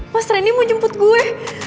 mas reni mau jemput gue